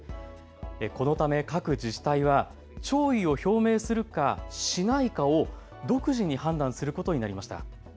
このため各自治体は弔意を表明するか、しないかを独自に判断することになりました。